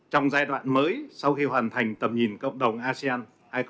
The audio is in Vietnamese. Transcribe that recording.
trong giai đoạn mới sau khi hoàn thành tầm nhìn cộng đồng asean hai nghìn hai mươi năm